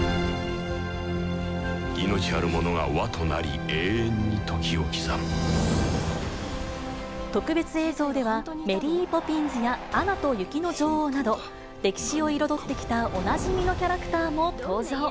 命あるものはわとなり、特別映像では、メリー・ポピンズや、アナと雪の女王など、歴史を彩ってきたおなじみのキャラクターも登場。